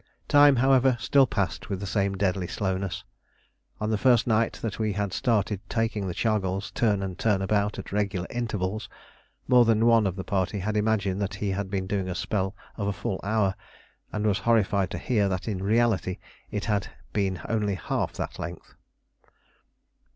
Time, however, still passed with the same deadly slowness. On the first night that we had started taking the chargals turn and turn about at regular intervals, more than one of the party had imagined that he had been doing a spell of a full hour, and was horrified to hear that in reality it had been only half that length.